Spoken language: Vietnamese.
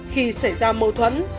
khi xảy ra mâu thuẫn